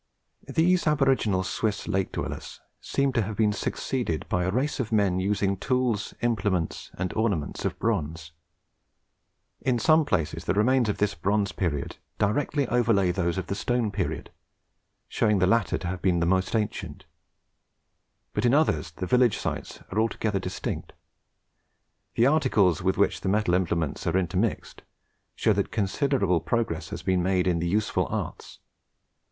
These aboriginal Swiss lake dwellers seem to have been succeeded by a race of men using tools, implements, and ornaments of bronze. In some places the remains of this bronze period directly overlay those of the stone period, showing the latter to have been the most ancient; but in others, the village sites are altogether distinct. The articles with which the metal implements are intermixed, show that considerable progress had been made in the useful arts.